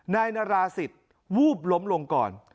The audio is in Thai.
นายนาราศิตรรวบลมลงก่อน